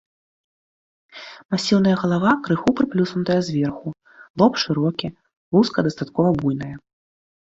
Масіўная галава крыху прыплюснутая зверху, лоб шырокі, луска дастаткова буйная.